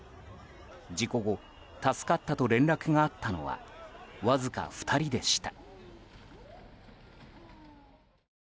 事故後、助かったと連絡があったのはわずか２人でした。